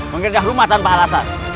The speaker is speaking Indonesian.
menggedah rumah tanpa alasan